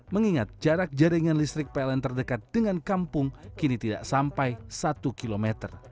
mengingat jarak jaringan listrik pln terdekat dengan kampung kini tidak sampai satu km